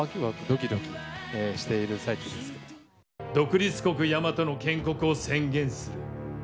独立国やまとの建国を宣言する。